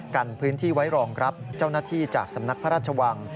กันพื้นที่ไว้รองรับเจ้าหน้าที่จากสำนักพระราชวัง